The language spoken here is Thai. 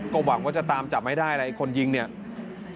ก็หวังว่าจะตามจับไม่ได้แล้วเงียบคนหนีไม่ได้